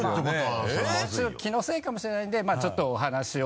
気のせいかもしれないんでちょっとお話を。